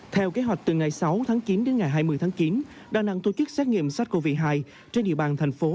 theo kế hoạch từ ngày sáu tháng chín đến ngày hai mươi tháng chín đà nẵng tổ chức xét nghiệm sars cov hai trên địa bàn thành phố